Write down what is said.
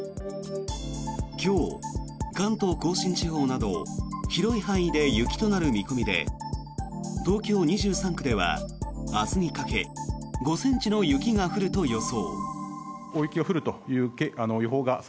今日、関東・甲信地方など広い範囲で雪となる見込みで東京２３区では明日にかけ５ｃｍの雪が降ると予想。